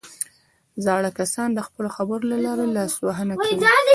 زاړه کسان د خپلو خبرو له لارې لارښوونه کوي